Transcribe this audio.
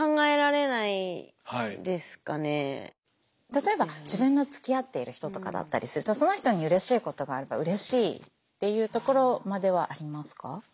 例えば自分のつきあっている人とかだったりするとその人にうれしいことがあればうれしいっていうところまではありますか？